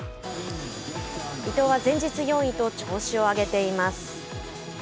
伊藤は前日４位と調子を上げています。